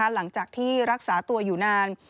หลังจากที่รักษาตัวอยู่นาน